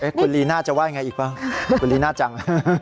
คุณลีน่าจะไหว้อย่างไรอีกกันลีน่าจัง